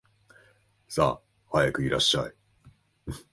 さあ、早くいらっしゃい